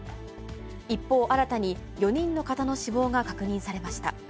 一方、新たに４人の方の死亡が確認されました。